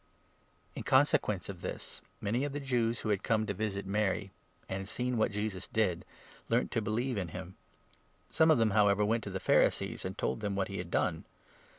In consequence of this, many of the Jews, who had come to 45 visit Mar)' and had seen what Jesus did, learnt to believe in him. Some of them, however, went to the Pharisees, and 46 told them what he had done.